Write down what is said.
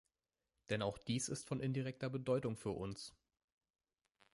Denn auch dies ist von indirekter Bedeutung für uns.